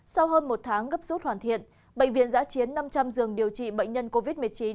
sau hơn một tháng gấp rút hoàn thiện bệnh viện giã chiến năm trăm linh giường điều trị bệnh nhân covid một mươi chín